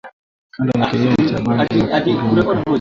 Kando na kilimo cha bangi na kufuga nyoka